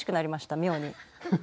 妙に。